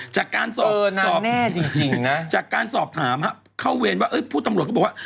จากการสอบถามเข้าเวรว่าผู้ตำรวจก็บอกว่า